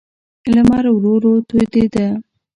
لمر ورو ورو تودېده.